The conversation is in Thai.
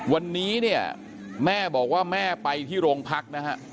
วันนี้เนี่ยแม่บอกว่าแม่ไปที่โรงพักนะฮะ